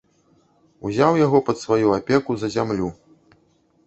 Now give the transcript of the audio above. Узяў яго пад сваю апеку за зямлю.